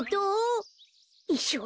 いっしょう